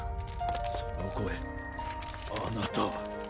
その声あなたは。